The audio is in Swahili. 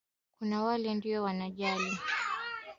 kuna wale ndio wanajali lakini pia kunaa